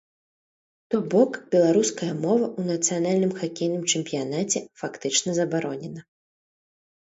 То бок беларуская мова ў нацыянальным хакейным чэмпіянаце фактычна забаронена.